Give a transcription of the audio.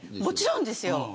もちろんですよ。